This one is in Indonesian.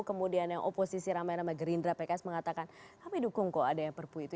kemudian yang oposisi ramai ramai gerindra pks mengatakan kami dukung kok ada yang perpu itu